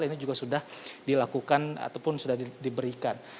ini juga sudah dilakukan ataupun sudah diberikan